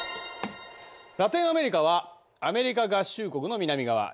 ラテンアメリカはアメリカ合衆国の南側。